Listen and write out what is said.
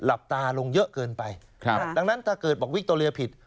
หลับตาลงเยอะเกินไปดังนั้นถ้าเกิดบอกวิคโตเรียผิด